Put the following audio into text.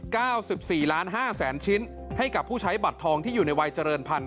เก้าสิบสี่ล้านห้าแสนชิ้นให้กับผู้ใช้บัตรทองที่อยู่ในวัยเจริญพันธ